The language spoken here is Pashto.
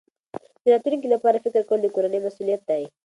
د راتلونکي لپاره فکر کول د کورنۍ مسؤلیت دی.